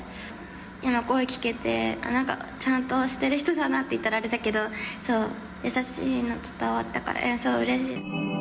今、声聞けて、なんか、ちゃんとしてる人だなって言ったらあれだけど、そう、優しいの伝わったから、そう、うれしい。